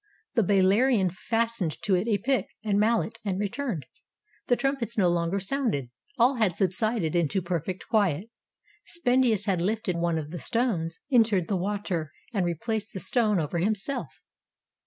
The Balearian fastened to it a pick and mallet, and returned. The trumpets no longer sounded: all had subsided into perfect quiet. Spendius had lifted one of the stones, entered the water, and replaced the stone over himself.